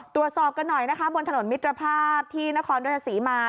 ตรวจสอบกันหน่อยนะคะบนถนนมิตรภาพที่นครราชศรีมา